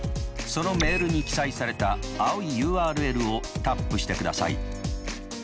そのメールに記載された青いＵＲＬをタップしてください。